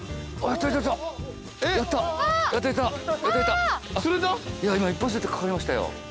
いや今一発でかかりましたよ。